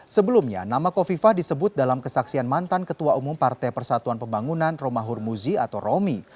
sebelumnya nama kofifah disebut dalam kesaksian mantan ketua umum partai persatuan pembangunan romahur muzi atau romi